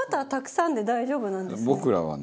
僕らはね。